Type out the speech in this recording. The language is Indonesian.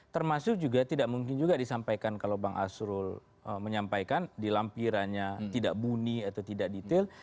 termasuk juga tidak mungkin juga disampaikan kalau bang arsul menyampaikan di lampirannya tidak bunyi atau tidak detail